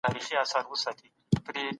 د بې وزلو په ژوند کي بدلون راولئ.